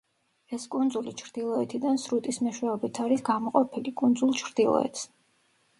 ეს კუნძული ჩრდილოეთიდან სრუტის მეშვეობით არის გამოყოფილი, კუნძულ ჩრდილოეთს.